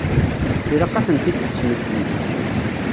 Ilaq ad tent-id-tesmekti.